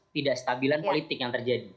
tidak stabilan politik yang terjadi